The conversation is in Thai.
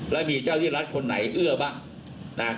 แล้วมีเจ้าที่รัฐคนไหนเอื้อบ้างนะ